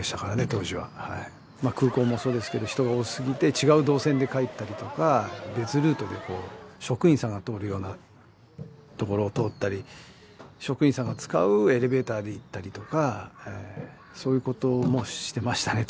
当時は空港もそうですけど人が多すぎて違う動線で帰ったりとか別ルートでこう職員さんが通るようなところを通ったり職員さんが使うエレベーターで行ったりとかええそういうこともしてましたね